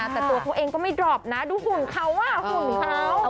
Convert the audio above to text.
แต่ตัวเขาเองก็ไม่ดรอปนะดูหุ่นเขาหุ่นเขา